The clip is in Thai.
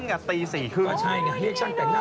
นี่ภูมิใจจังเลยอ่ะ